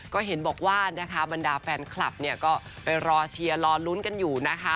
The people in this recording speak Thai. ก็เห็นบอกว่านะคะบรรดาแฟนคลับเนี่ยก็ไปรอเชียร์รอลุ้นกันอยู่นะคะ